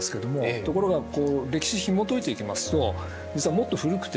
ところが歴史ひもといていきますと実はもっと古くて。